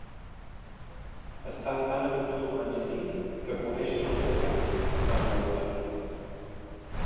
"Estan tan acostumats a mi que coneixen el meu horari", va murmurar.